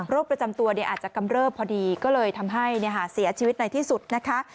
ประจำตัวอาจจะกำเริบพอดีก็เลยทำให้เสียชีวิตในที่สุดนะคะ